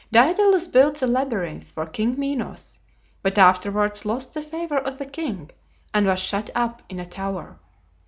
Daedalus built the labyrinth for King Minos, but afterwards lost the favor of the king, and was shut up in a tower.